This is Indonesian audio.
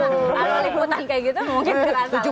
kalau liputan kayak gitu mungkin kerasa banget